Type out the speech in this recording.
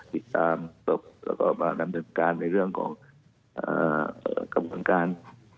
ติดตามศพแล้วก็มาดำเนินการในเรื่องของกระบวนการ